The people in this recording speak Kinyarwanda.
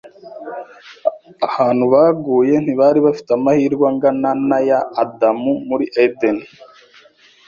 Abantu baguye ntibari bafite amahirwe angana n’aya Adamu muri Edeni.